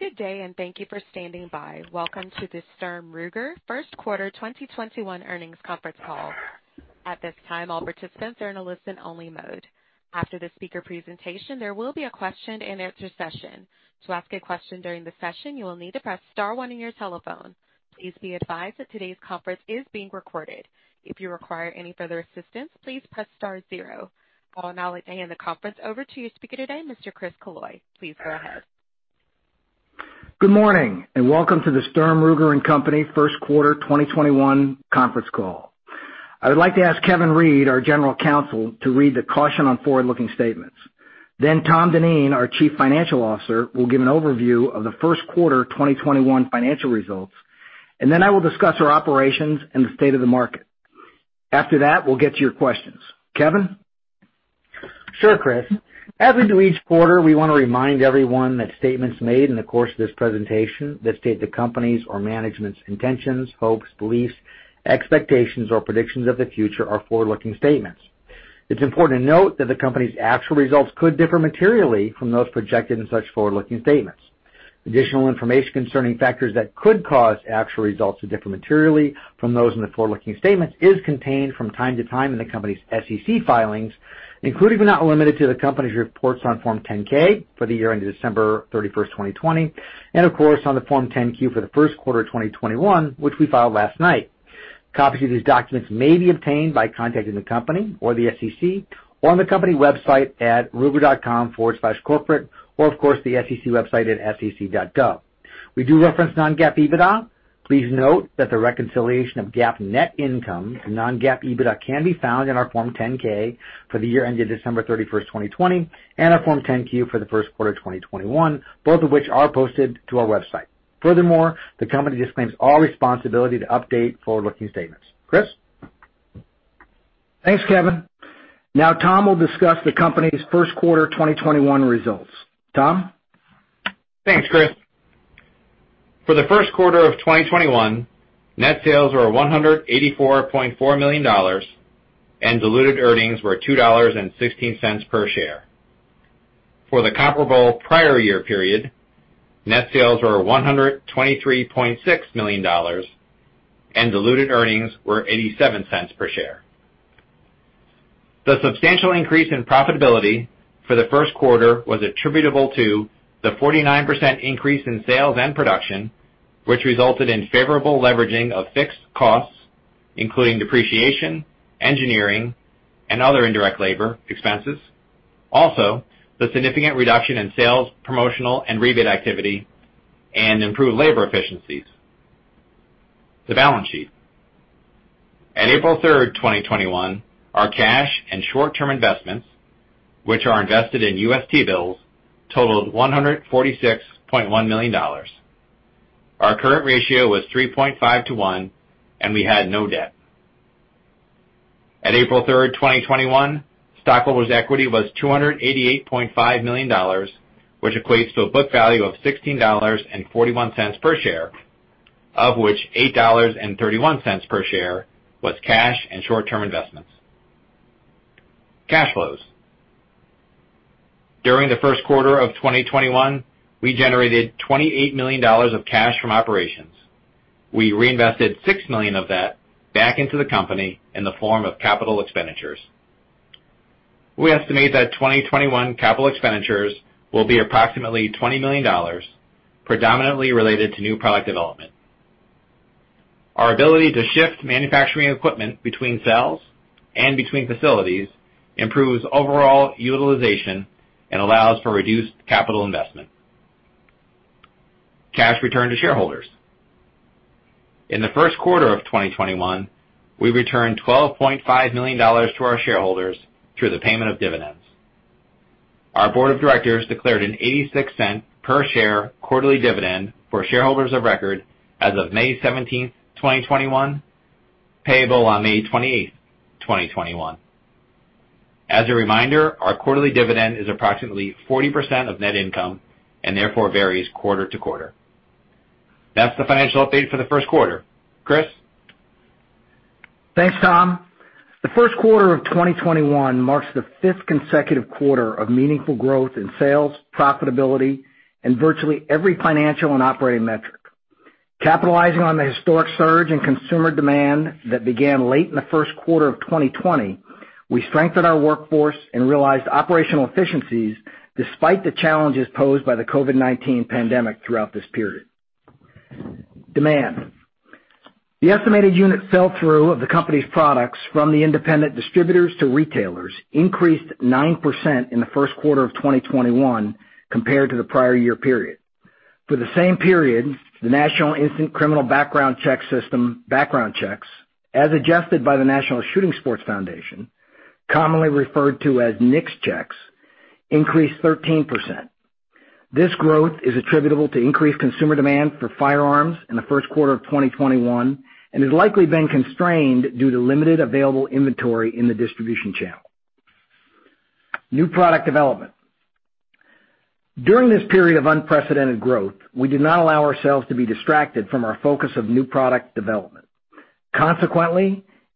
Good day, and thank you for standing by. Welcome to the Sturm, Ruger first quarter 2021 earnings conference call. At this time, all participants are in a listen-only mode. After the speaker presentation, there will be a question and answer session. To ask a question during the session, you will need to press star one on your telephone. Please be advised that today's conference is being recorded. If you require any further assistance, please press star zero. I will now hand the conference over to your speaker today, Mr. Chris Killoy. Please go ahead. Good morning. Welcome to the Sturm, Ruger & Company first quarter 2021 conference call. I would like to ask Kevin Reid, our General Counsel, to read the caution on forward-looking statements. Then Tom Dineen, our Chief Financial Officer, will give an overview of the first quarter 2021 financial results, and then I will discuss our operations and the state of the market. After that, we'll get to your questions. Kevin? Sure, Chris. As we do each quarter, we want to remind everyone that statements made in the course of this presentation that state the company's or management's intentions, hopes, beliefs, expectations, or predictions of the future are forward-looking statements. It's important to note that the company's actual results could differ materially from those projected in such forward-looking statements. Additional information concerning factors that could cause actual results to differ materially from those in the forward-looking statements is contained from time to time in the company's SEC filings, including, but not limited to, the company's reports on Form 10-K for the year ended December 31, 2020, and of course, on the Form 10-Q for the first quarter of 2021, which we filed last night. Copies of these documents may be obtained by contacting the company or the SEC or on the company website at ruger.com/corporate, or of course, the SEC website at sec.gov. We do reference non-GAAP EBITDA. Please note that the reconciliation of GAAP net income and non-GAAP EBITDA can be found in our Form 10-K for the year ended December 31st, 2020, and our Form 10-Q for the first quarter of 2021, both of which are posted to our website. The company disclaims all responsibility to update forward-looking statements. Chris? Thanks, Kevin. Now Tom will discuss the company's first quarter 2021 results. Tom? Thanks, Chris. For the first quarter of 2021, net sales were $184.4 million, and diluted earnings were $2.16 per share. For the comparable prior year period, net sales were $123.6 million and diluted earnings were $0.87 per share. The substantial increase in profitability for the first quarter was attributable to the 49% increase in sales and production, which resulted in favorable leveraging of fixed costs, including depreciation, engineering, and other indirect labor expenses. Also, the significant reduction in sales, promotional, and rebate activity and improved labor efficiencies. The balance sheet. At April 3rd, 2021, our cash and short-term investments, which are invested in U.S. T-bills, totaled $146.1 million. Our current ratio was 3.5 to one, and we had no debt. At April 3rd, 2021, stockholders' equity was $288.5 million, which equates to a book value of $16.41 per share, of which $8.31 per share was cash and short-term investments. Cash flows. During the first quarter of 2021, we generated $28 million of cash from operations. We reinvested $6 million of that back into the company in the form of capital expenditures. We estimate that 2021 capital expenditures will be approximately $20 million, predominantly related to new product development. Our ability to shift manufacturing equipment between sales and between facilities improves overall utilization and allows for reduced capital investment. Cash returned to shareholders. In the first quarter of 2021, we returned $12.5 million to our shareholders through the payment of dividends. Our board of directors declared an $0.86 per share quarterly dividend for shareholders of record as of May 17th, 2021, payable on May 28th, 2021. As a reminder, our quarterly dividend is approximately 40% of net income and therefore varies quarter to quarter. That's the financial update for the first quarter. Chris? Thanks, Tom. The first quarter of 2021 marks the fifth consecutive quarter of meaningful growth in sales, profitability, and virtually every financial and operating metric. Capitalizing on the historic surge in consumer demand that began late in the first quarter of 2020, we strengthened our workforce and realized operational efficiencies despite the challenges posed by the COVID-19 pandemic throughout this period. Demand. The estimated unit sell-through of the company's products from the independent distributors to retailers increased 9% in the first quarter of 2021 compared to the prior year period. For the same period, the National Instant Criminal Background Check System background checks, as adjusted by the National Shooting Sports Foundation, commonly referred to as NICS checks, increased 13%. This growth is attributable to increased consumer demand for firearms in the first quarter of 2021 and has likely been constrained due to limited available inventory in the distribution channel. New product development. During this period of unprecedented growth, we did not allow ourselves to be distracted from our focus of new product development.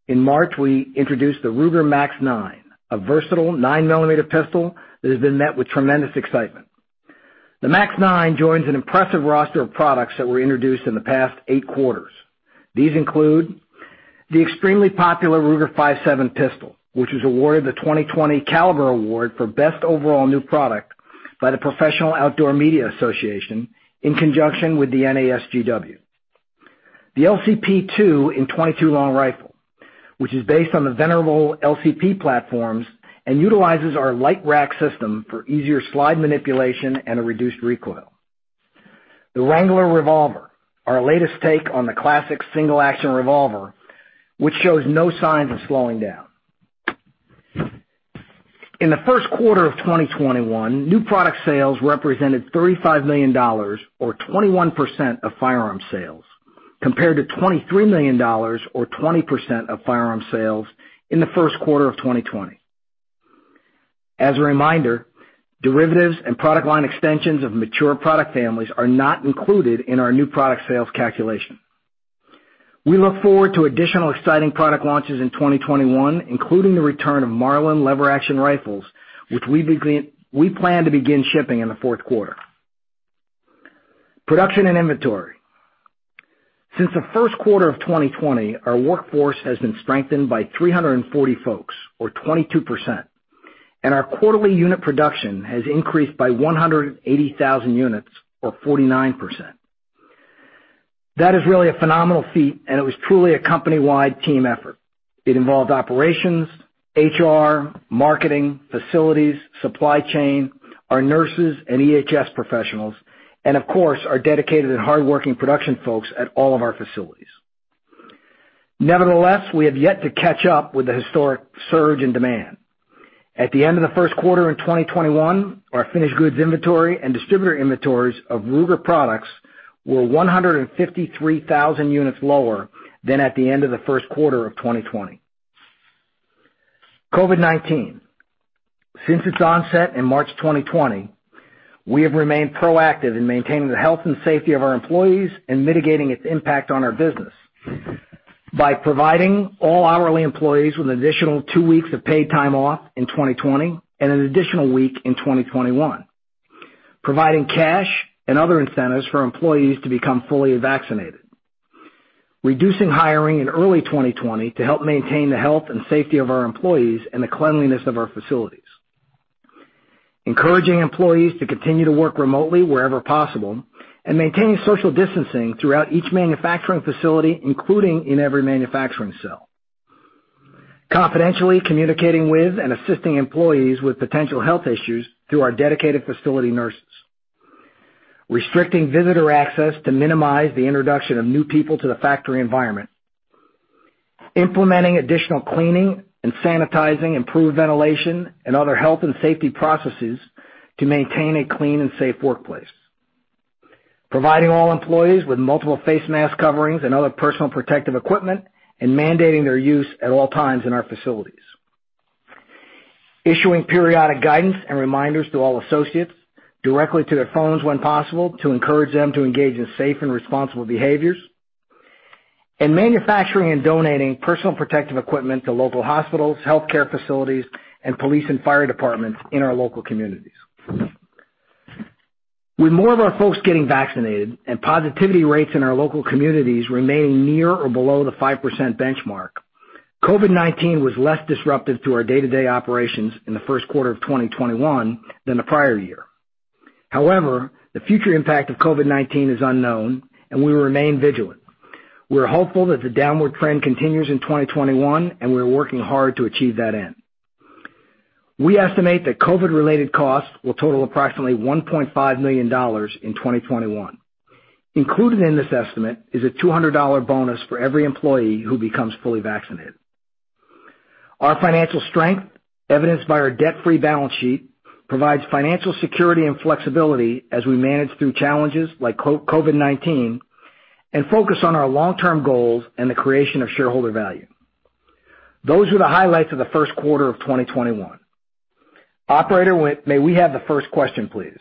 In March, we introduced the Ruger MAX-9, a versatile 9mm pistol that has been met with tremendous excitement. The MAX-9 joins an impressive roster of products that were introduced in the past 8 quarters. These include the extremely popular Ruger-57 pistol, which was awarded the 2020 Caliber Award for best overall new product by the Professional Outdoor Media Association in conjunction with the NASGW. The LCP II in 22 Long Rifle, which is based on the venerable LCP platforms and utilizes our Lite Rack system for easier slide manipulation and a reduced recoil. The Wrangler Revolver, our latest take on the classic single-action revolver, which shows no signs of slowing down. In the first quarter of 2021, new product sales represented $35 million or 21% of firearm sales, compared to $23 million or 20% of firearm sales in the first quarter of 2020. As a reminder, derivatives and product line extensions of mature product families are not included in our new product sales calculation. We look forward to additional exciting product launches in 2021, including the return of Marlin lever action rifles, which we plan to begin shipping in the fourth quarter. Production and inventory. Since the first quarter of 2020, our workforce has been strengthened by 340 folks or 22%, and our quarterly unit production has increased by 180,000 units or 49%. That is really a phenomenal feat, and it was truly a company-wide team effort. It involved operations, HR, marketing, facilities, supply chain, our nurses and EHS professionals, and of course, our dedicated and hardworking production folks at all of our facilities. Nevertheless, we have yet to catch up with the historic surge in demand. At the end of the first quarter in 2021, our finished goods inventory and distributor inventories of Ruger products were 153,000 units lower than at the end of the first quarter of 2020. COVID-19. Since its onset in March 2020, we have remained proactive in maintaining the health and safety of our employees and mitigating its impact on our business by providing all hourly employees with an additional two weeks of paid time off in 2020 and an additional week in 2021, providing cash and other incentives for employees to become fully vaccinated. Reducing hiring in early 2020 to help maintain the health and safety of our employees and the cleanliness of our facilities. Encouraging employees to continue to work remotely wherever possible and maintaining social distancing throughout each manufacturing facility, including in every manufacturing cell. Confidentially communicating with and assisting employees with potential health issues through our dedicated facility nurses. Restricting visitor access to minimize the introduction of new people to the factory environment. Implementing additional cleaning and sanitizing, improved ventilation, and other health and safety processes to maintain a clean and safe workplace. Providing all employees with multiple face mask coverings and other personal protective equipment, and mandating their use at all times in our facilities. Issuing periodic guidance and reminders to all associates, directly to their phones when possible, to encourage them to engage in safe and responsible behaviors. Manufacturing and donating personal protective equipment to local hospitals, healthcare facilities, and police and fire departments in our local communities. With more of our folks getting vaccinated and positivity rates in our local communities remaining near or below the 5% benchmark, COVID-19 was less disruptive to our day-to-day operations in the first quarter of 2021 than the prior year. However, the future impact of COVID-19 is unknown, and we remain vigilant. We're hopeful that the downward trend continues in 2021, and we're working hard to achieve that end. We estimate that COVID-related costs will total approximately $1.5 million in 2021. Included in this estimate is a $200 bonus for every employee who becomes fully vaccinated. Our financial strength, evidenced by our debt-free balance sheet, provides financial security and flexibility as we manage through challenges like COVID-19 and focus on our long-term goals and the creation of shareholder value. Those are the highlights of the first quarter of 2021. Operator, may we have the first question, please?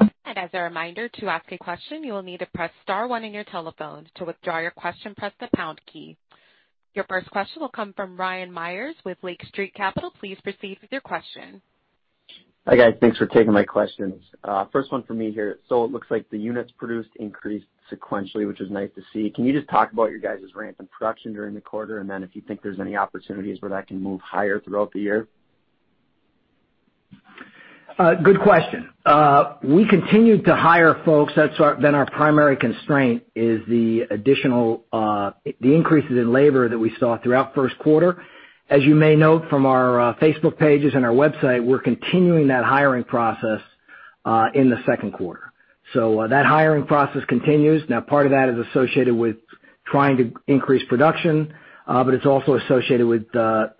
And as a reminder to ask a question, to as a question, you will need to press star one on your telephone. To withdraw your question, press the pound key. Your first question will come from Ryan Meyers with Lake Street Capital. Please proceed with your question. Hi, guys. Thanks for taking my questions. First one for me here. It looks like the units produced increased sequentially, which is nice to see. Can you just talk about your guys' ramp in production during the quarter, and then if you think there's any opportunities where that can move higher throughout the year? Good question. We continued to hire folks. That's been our primary constraint is the increases in labor that we saw throughout first quarter. As you may note from our Facebook pages and our website, we're continuing that hiring process in the second quarter. That hiring process continues. Now, part of that is associated with trying to increase production, but it's also associated with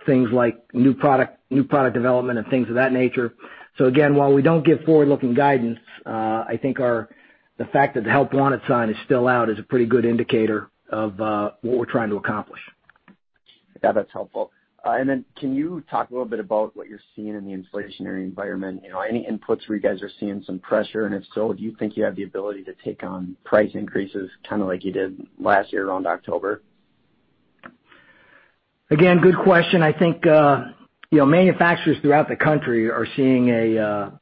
things like new product development and things of that nature. Again, while we don't give forward-looking guidance, I think the fact that the help wanted sign is still out is a pretty good indicator of what we're trying to accomplish. Yeah, that's helpful. Can you talk a little bit about what you're seeing in the inflationary environment? Any inputs where you guys are seeing some pressure? If so, do you think you have the ability to take on price increases like you did last year around October? Again, good question. I think manufacturers throughout the country are seeing a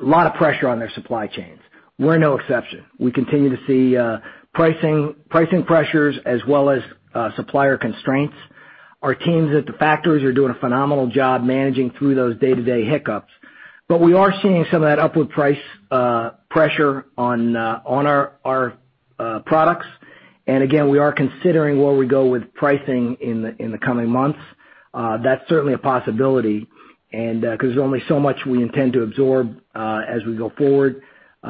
lot of pressure on their supply chains. We're no exception. We continue to see pricing pressures as well as supplier constraints. Our teams at the factories are doing a phenomenal job managing through those day-to-day hiccups. We are seeing some of that upward price pressure on our products. Again, we are considering where we go with pricing in the coming months. That's certainly a possibility, and because there's only so much we intend to absorb as we go forward.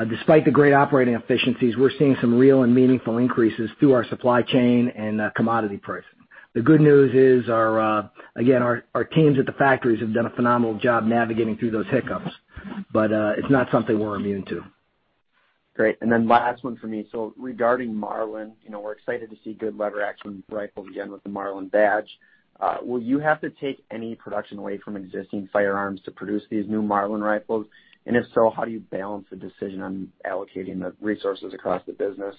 Despite the great operating efficiencies, we're seeing some real and meaningful increases through our supply chain and commodity pricing. The good news is our teams at the factories have done a phenomenal job navigating through those hiccups, but it's not something we're immune to. Great. Last one for me. Regarding Marlin, we're excited to see good lever-action rifles again with the Marlin badge. Will you have to take any production away from existing firearms to produce these new Marlin rifles? If so, how do you balance the decision on allocating the resources across the business?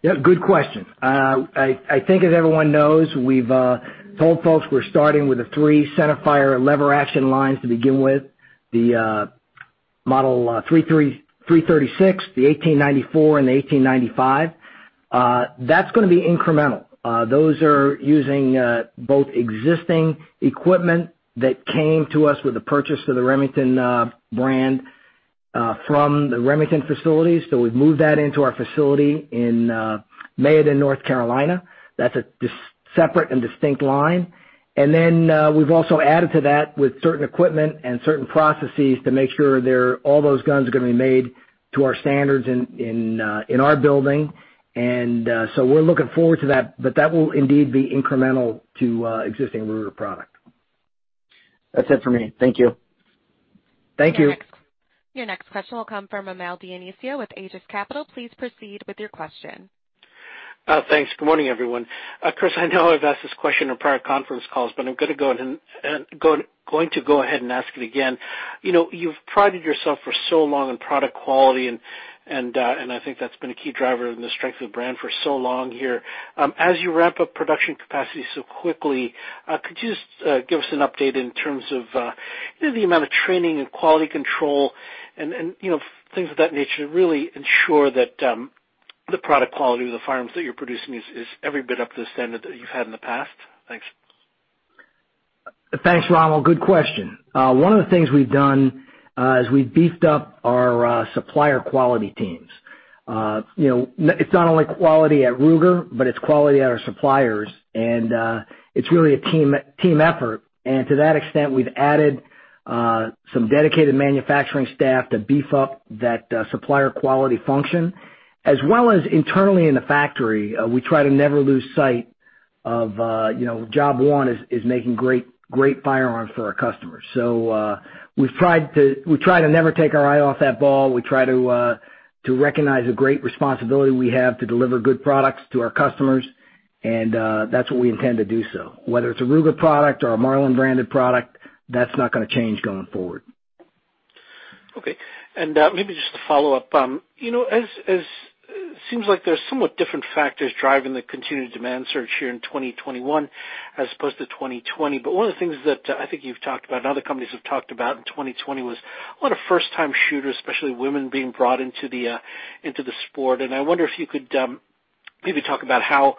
Yeah, good question. I think as everyone knows, we've told folks we're starting with the three centerfire lever action lines to begin with. The Model 336, the 1894, and the 1895. That's going to be incremental. Those are using both existing equipment that came to us with the purchase of the Remington brand from the Remington facilities. We've moved that into our facility in Mayodan, North Carolina. That's a separate and distinct line. We've also added to that with certain equipment and certain processes to make sure all those guns are going to be made to our standards in our building. We're looking forward to that. That will indeed be incremental to existing Ruger product. That's it for me. Thank you. Thank you. Your next question will come from Rommel Dionisio with Aegis Capital. Please proceed with your question. Thanks. Good morning, everyone. Chris, I know I've asked this question on prior conference calls, but I'm going to go ahead and ask it again. You've prided yourself for so long on product quality, and I think that's been a key driver in the strength of the brand for so long here. As you ramp up production capacity so quickly, could you just give us an update in terms of the amount of training and quality control and things of that nature to really ensure that the product quality of the firearms that you're producing is every bit up to the standard that you've had in the past? Thanks. Thanks, Rommel. Good question. One of the things we've done is we've beefed up our supplier quality teams. It's not only quality at Ruger, but it's quality at our suppliers. It's really a team effort. To that extent, we've added some dedicated manufacturing staff to beef up that supplier quality function. As well as internally in the factory, we try to never lose sight of job one is making great firearms for our customers. We try to never take our eye off that ball. We try to recognize the great responsibility we have to deliver good products to our customers, and that's what we intend to do so. Whether it's a Ruger product or a Marlin branded product, that's not going to change going forward. Okay. Maybe just to follow up, it seems like there's somewhat different factors driving the continued demand surge here in 2021 as opposed to 2020. One of the things that I think you've talked about and other companies have talked about in 2020 was a lot of first-time shooters, especially women, being brought into the sport. I wonder if you could maybe talk about how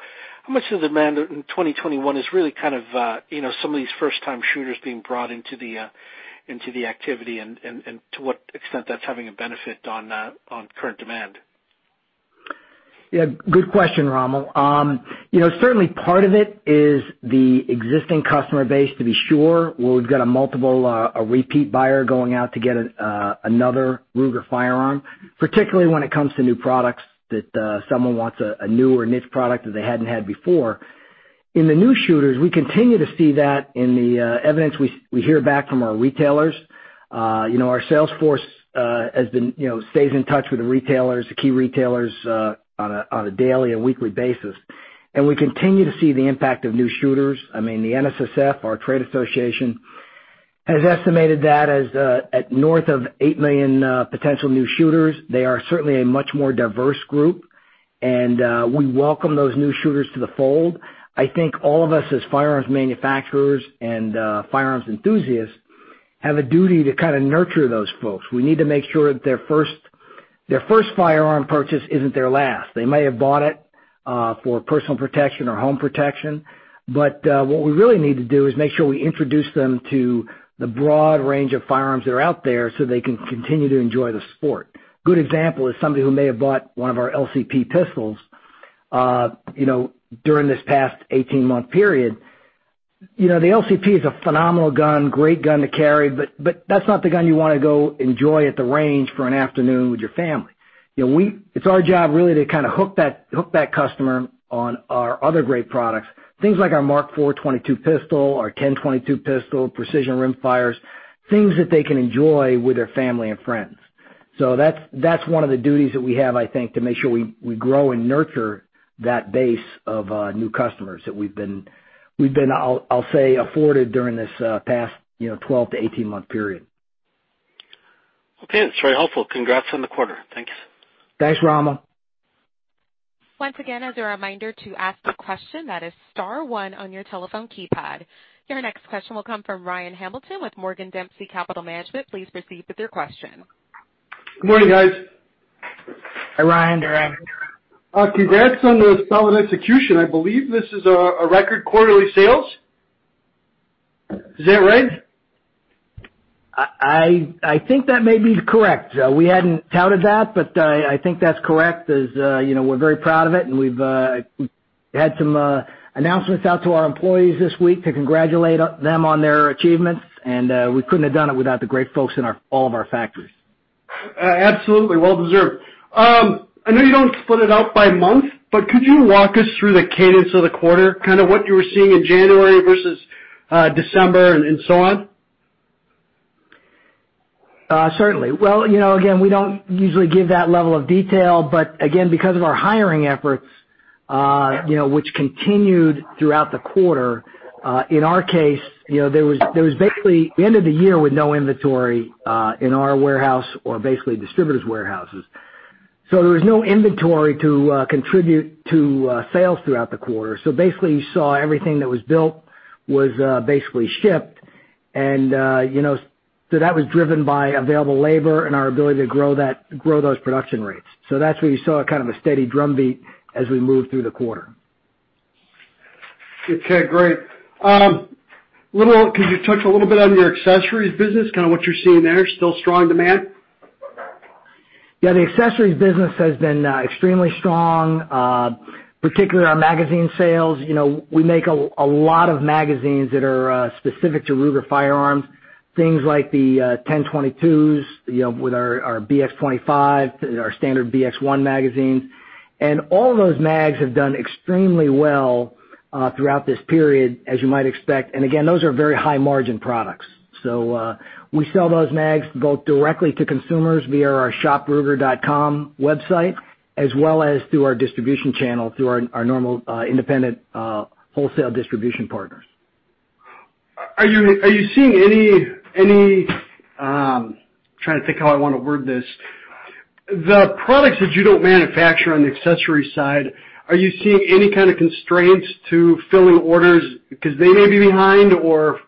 much of the demand in 2021 is really some of these first-time shooters being brought into the activity, and to what extent that's having a benefit on current demand. Yeah. Good question, Rommel. Certainly part of it is the existing customer base to be sure, where we've got a repeat buyer going out to get another Ruger firearm, particularly when it comes to new products that someone wants a new or niche product that they hadn't had before. In the new shooters, we continue to see that in the evidence we hear back from our retailers. Our sales force stays in touch with the retailers, the key retailers, on a daily and weekly basis. We continue to see the impact of new shooters. I mean, the NSSF, our trade association, has estimated that as at north of 8 million potential new shooters. They are certainly a much more diverse group. We welcome those new shooters to the fold. I think all of us as firearms manufacturers and firearms enthusiasts have a duty to kind of nurture those folks. We need to make sure that their first firearm purchase isn't their last. They may have bought it for personal protection or home protection, but what we really need to do is make sure we introduce them to the broad range of firearms that are out there so they can continue to enjoy the sport. Good example is somebody who may have bought one of our LCP pistols during this past 18-month period. The LCP is a phenomenal gun, great gun to carry, but that's not the gun you want to go enjoy at the range for an afternoon with your family. It's our job really to kind of hook that customer on our other great products. Things like our Mark IV 22/45 pistol, our 10/22 pistol, precision rimfires, things that they can enjoy with their family and friends. That's one of the duties that we have, I think, to make sure we grow and nurture that base of new customers that we've been, I'll say, afforded during this past 12-18 month period. Okay. That's very helpful. Congrats on the quarter. Thank you. Thanks, Rommel. Once again, as a reminder to ask a question, that is star one on your telephone keypad. Your next question will come from Ryan Hamilton with Morgan Dempsey Capital Management. Please proceed with your question. Good morning, guys. Hi, Ryan. Good morning. Congrats on the solid execution. I believe this is a record quarterly sales. Is that right? I think that may be correct. We hadn't touted that, but I think that's correct. As you know, we're very proud of it, and we've had some announcements out to our employees this week to congratulate them on their achievements. We couldn't have done it without the great folks in all of our factories. Absolutely. Well deserved. I know you don't split it out by month, but could you walk us through the cadence of the quarter, kind of what you were seeing in January versus December, and so on? Certainly. Well, again, we don't usually give that level of detail. Again, because of our hiring efforts, which continued throughout the quarter, in our case, there was basically end of the year with no inventory, in our warehouse or basically distributors' warehouses. There was no inventory to contribute to sales throughout the quarter. Basically, you saw everything that was built was basically shipped. That was driven by available labor and our ability to grow those production rates. That's where you saw kind of a steady drumbeat as we moved through the quarter. Okay. Great. Can you touch a little bit on your accessories business, kind of what you're seeing there, still strong demand? Yeah, the accessories business has been extremely strong, particularly our magazine sales. We make a lot of magazines that are specific to Ruger firearms, things like the 10/22s, with our BX-25, our standard BX-1 magazine. All of those mags have done extremely well throughout this period, as you might expect. Again, those are very high-margin products. We sell those mags both directly to consumers via our shopruger.com website, as well as through our distribution channel, through our normal independent wholesale distribution partners. I'm trying to think how I want to word this. The products that you don't manufacture on the accessory side, are you seeing any kind of constraints to filling orders because they may be behind or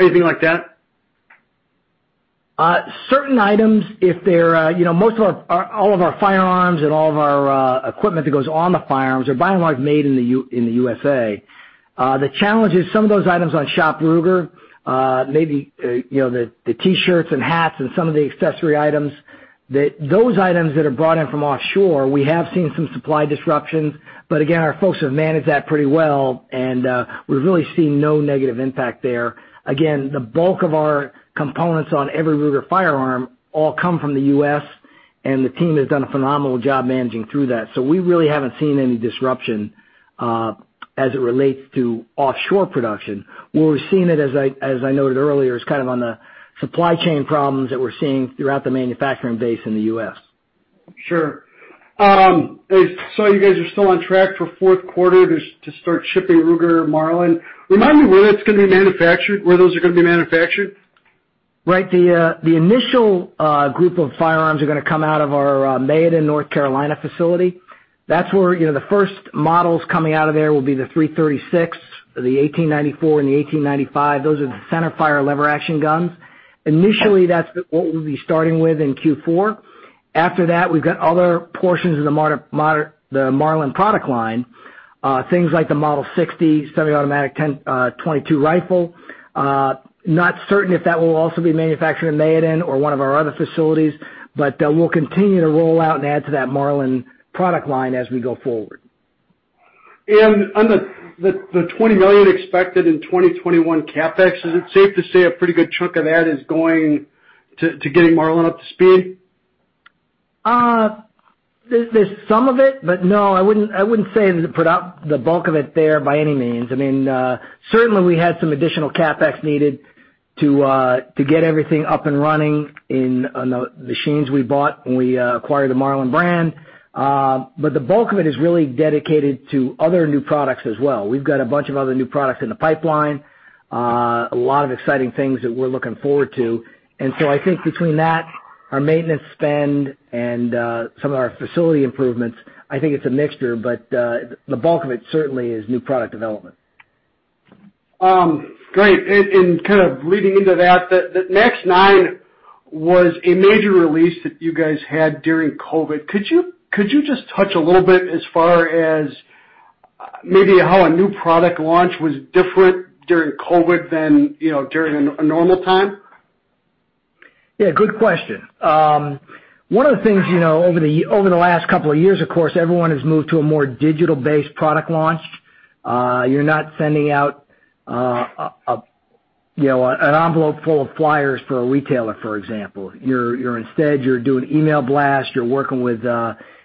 anything like that? Certain items, most of all of our firearms and all of our equipment that goes on the firearms are by and large made in the USA. The challenge is some of those items on Shop Ruger, maybe the T-shirts and hats and some of the accessory items, those items that are brought in from offshore, we have seen some supply disruptions, but again, our folks have managed that pretty well, and, we've really seen no negative impact there. Again, the bulk of our components on every Ruger firearm all come from the U.S., and the team has done a phenomenal job managing through that. We really haven't seen any disruption as it relates to offshore production. Where we're seeing it, as I noted earlier, is kind of on the supply chain problems that we're seeing throughout the manufacturing base in the U.S. Sure. You guys are still on track for fourth quarter to start shipping Ruger Marlin. Remind me where that's going to be manufactured, where those are going to be manufactured? Right. The initial group of firearms are going to come out of our Mayodan, North Carolina facility. That's where the first models coming out of there will be the 336, the 1894, and the 1895. Those are the centerfire lever action guns. Initially, that's what we'll be starting with in Q4. After that, we've got other portions of the Marlin product line, things like the Model 60 semi-automatic 10/22 rifle. Not certain if that will also be manufactured in Mayodan or one of our other facilities, but, we'll continue to roll out and add to that Marlin product line as we go forward. On the $20 million expected in 2021 CapEx, is it safe to say a pretty good chunk of that is going to getting Marlin up to speed? There's some of it, but no, I wouldn't say the bulk of it there by any means. Certainly, we had some additional CapEx needed to get everything up and running in the machines we bought when we acquired the Marlin brand. The bulk of it is really dedicated to other new products as well. We've got a bunch of other new products in the pipeline, a lot of exciting things that we're looking forward to. I think between that, our maintenance spend, and some of our facility improvements, I think it's a mixture, but the bulk of it certainly is new product development. Great. Kind of leading into that, the MAX-9 was a major release that you guys had during COVID. Could you just touch a little bit as far as maybe how a new product launch was different during COVID than during a normal time? Yeah, good question. One of the things over the last couple of years, of course, everyone has moved to a more digital-based product launch. You're not sending out an envelope full of flyers for a retailer, for example. You're instead doing email blast. You're working with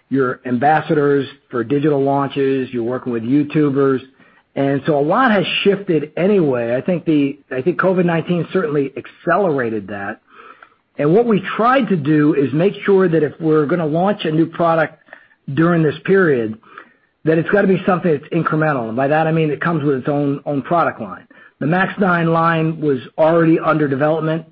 your ambassadors for digital launches. You're working with YouTubers. A lot has shifted anyway. I think COVID-19 certainly accelerated that. What we tried to do is make sure that if we're going to launch a new product during this period, that it's got to be something that's incremental. By that I mean it comes with its own product line. The MAX-9 line was already under development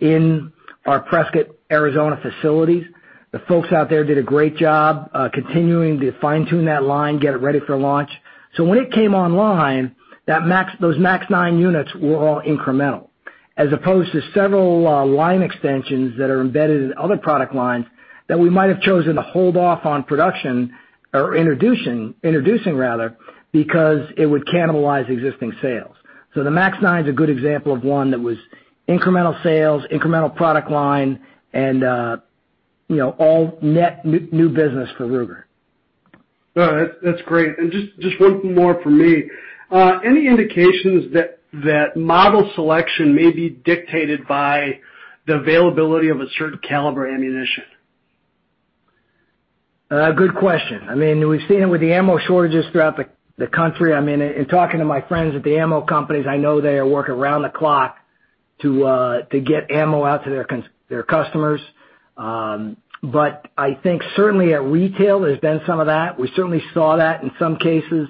in our Prescott, Arizona facilities. The folks out there did a great job continuing to fine-tune that line, get it ready for launch. When it came online, those MAX-9 units were all incremental, as opposed to several line extensions that are embedded in other product lines that we might have chosen to hold off on production or introducing rather, because it would cannibalize existing sales. The MAX-9 is a good example of one that was incremental sales, incremental product line, and all net new business for Ruger. No, that's great. Just one more from me. Any indications that model selection may be dictated by the availability of a certain caliber ammunition? Good question. We've seen it with the ammo shortages throughout the country. In talking to my friends at the ammo companies, I know they are working around the clock to get ammo out to their customers. I think certainly at retail, there's been some of that. We certainly saw that in some cases,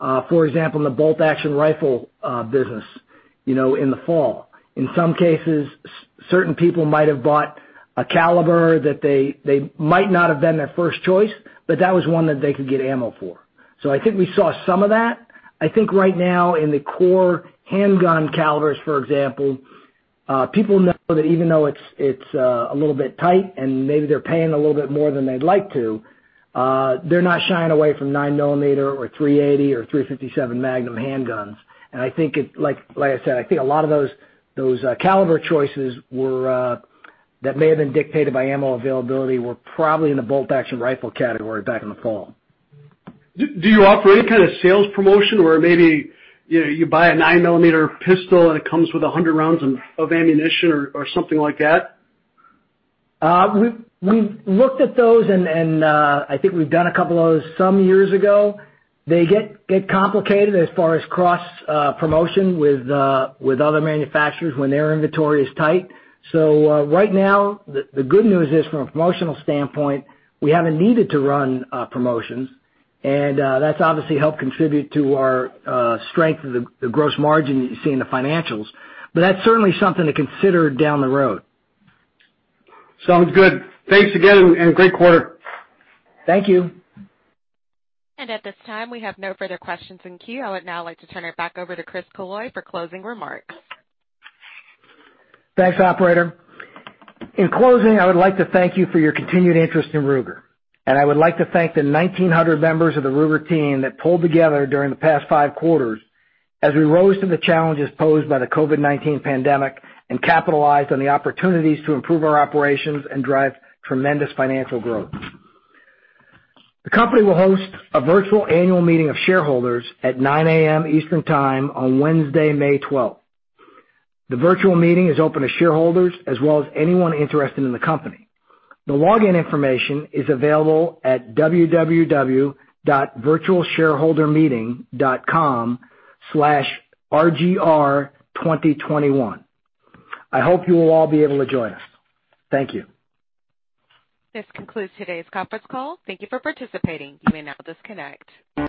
for example, in the bolt-action rifle business in the fall. In some cases, certain people might have bought a caliber that they might not have been their first choice, but that was one that they could get ammo for. I think we saw some of that. I think right now in the core handgun calibers, for example, people know that even though it's a little bit tight and maybe they're paying a little bit more than they'd like to, they're not shying away from 9mm or .380 or .357 Magnum handguns. I think, like I said, I think a lot of those caliber choices that may have been dictated by ammo availability were probably in the bolt-action rifle category back in the fall. Do you offer any kind of sales promotion where maybe you buy a 9mm pistol, and it comes with 100 rounds of ammunition or something like that? We've looked at those, and I think we've done a couple of those some years ago. They get complicated as far as cross-promotion with other manufacturers when their inventory is tight. Right now, the good news is, from a promotional standpoint, we haven't needed to run promotions, and that's obviously helped contribute to our strength of the gross margin that you see in the financials. That's certainly something to consider down the road. Sounds good. Thanks again, and great quarter. Thank you. At this time, we have no further questions in queue. I would now like to turn it back over to Chris Killoy for closing remarks. Thanks, operator. In closing, I would like to thank you for your continued interest in Ruger, and I would like to thank the 1,900 members of the Ruger team that pulled together during the past five quarters as we rose to the challenges posed by the COVID-19 pandemic and capitalized on the opportunities to improve our operations and drive tremendous financial growth. The company will host a virtual annual meeting of shareholders at 9:00 A.M. Eastern Time on Wednesday, May 12th. The virtual meeting is open to shareholders as well as anyone interested in the company. The login information is available at www.virtualshareholdermeeting.com/rgr2021. I hope you will all be able to join us. Thank you. This concludes today's conference call. Thank you for participating. You may now disconnect.